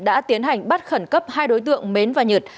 đã tiến hành bắt khẩn cấp hai đối tượng mến và nhật